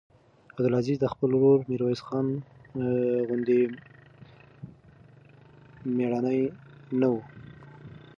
عبدالعزیز د خپل ورور میرویس خان غوندې مړنی نه و.